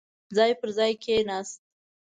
ځای پر ځاې کېناست.